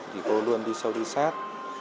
thì cô luôn đi sâu đi sát